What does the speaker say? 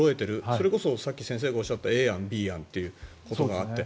それこそさっき先生がおっしゃったＡ案、Ｂ案ということがあって。